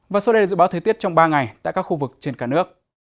và sau đây là dự báo thời tiết trong ba ngày tại các khu vực trên cả nước